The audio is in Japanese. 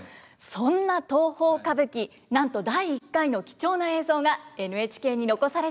そんな東宝歌舞伎なんと第１回の貴重な映像がＮＨＫに残されています。